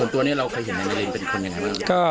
ตัวจริงไม่ได้